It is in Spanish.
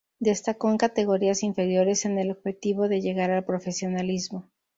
Destacó en categorías inferiores con el objetivo de llegar al profesionalismo.